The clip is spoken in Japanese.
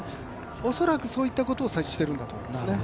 恐らくそういったことをしているんだと思いますね。